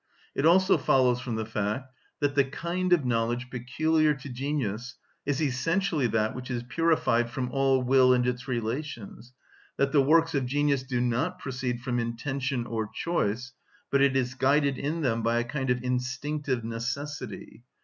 It also follows from the fact that the kind of knowledge peculiar to genius is essentially that which is purified from all will and its relations, that the works of genius do not proceed from intention or choice, but it is guided in them by a kind of instinctive necessity.